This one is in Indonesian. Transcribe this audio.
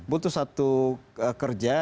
butuh satu kerja